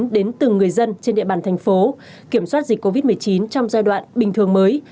đến từng người dân trên địa bàn thành phố kiểm soát dịch covid một mươi chín trong giai đoạn bình thường mới